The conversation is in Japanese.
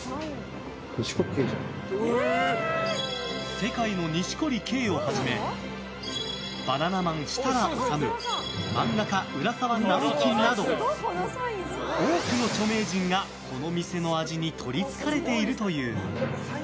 世界の錦織圭をはじめバナナマン設楽統漫画家・浦沢直樹など多くの著名人がこの店の味にとりつかれているという。